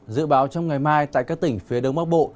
dự báo trong ngày mai tại các tỉnh phía đông bắc bộ